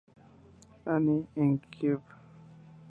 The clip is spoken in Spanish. Anne, en Kew.